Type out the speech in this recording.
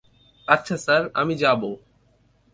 আচ্ছা, স্যার, আমি যাবো।